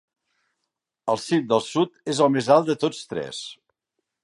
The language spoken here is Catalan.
El cim del sud és el més alt de tots tres.